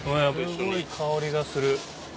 すごい香りがする。